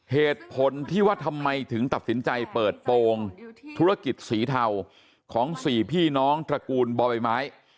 เหตุผลที่ว่าทำไมถึงตัดสินใจเปิดโปรงธุรกิจสีเทาของ๔พี่น้องตระกูลบ่อใบไม้